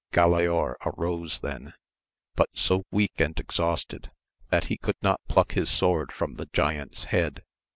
Galaor arose then, but so weak and exhausted, that he could not pluck his sword from the giant's head.